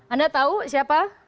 anda tahu siapa